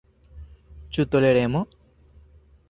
Ĉu toleremo?